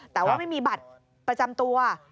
แต่ว่าไม่มีบัตรประจำตัว